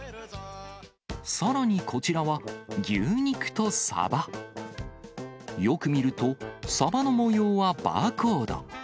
さらにこちらは、牛肉とサバ。よく見ると、サバの模様はバーコード。